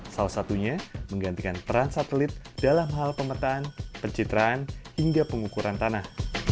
salah satunya menggantikan peran satelit dalam hal pemetaan pencitraan hingga pengukuran tanah